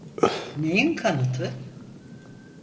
Neyin kanıtı?